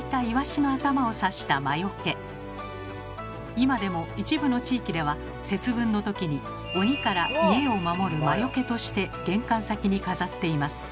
今でも一部の地域では節分の時に鬼から家を守る魔よけとして玄関先に飾っています。